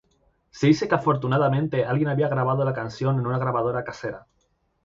Se dice que, afortunadamente, alguien había grabado la canción en una grabadora casera.